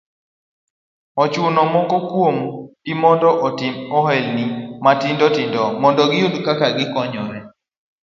Ochuno moko kuom gi mondo otim ohelni matindo tindo mondo giyud kaka gikonyore.